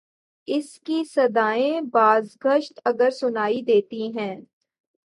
اس کی صدائے بازگشت اگر سنائی دیتی ہے۔